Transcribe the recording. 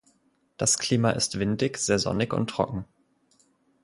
Das Klima ist windig, sehr sonnig und trocken.